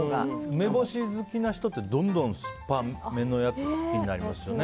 梅干し好きな人ってどんどん酸っぱめなやつ好きになりますよね。